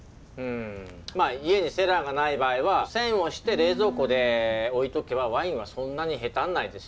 まあ家にセラーがない場合は栓をして冷蔵庫で置いとけばワインはそんなにヘタらないです。